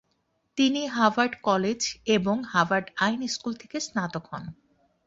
তিনি Harvard college এবং Harvard আইন স্কুল থেকে স্নাতক হন।